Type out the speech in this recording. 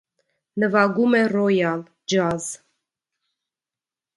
Նվագում է ռոյալ՝ ջազ։